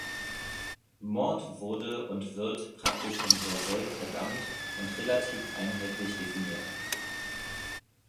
Mord wurde und wird praktisch universell verdammt und relativ einheitlich definiert.